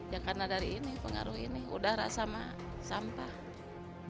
ya karena dari ini pengaruh ini udara sama sampah